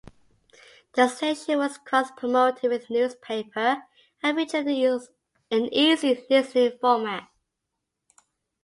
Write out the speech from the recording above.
The station was cross-promoted with the newspaper and featured an easy listening format.